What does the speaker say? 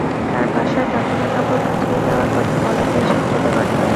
তাঁর বাসায় কাফনের কাপড় পাঠিয়ে দেওয়ার কথা বলা হয়েছে খুদে বার্তায়।